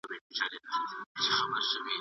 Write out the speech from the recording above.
څه دي! چې سپين مخ باندې هره شپه د زلفو ورا وي